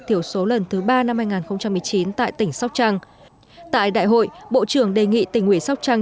thiểu số lần thứ ba năm hai nghìn một mươi chín tại tỉnh sóc trăng tại đại hội bộ trưởng đề nghị tỉnh ủy sóc trăng